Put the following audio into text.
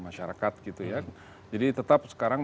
masyarakat gitu ya jadi tetap sekarang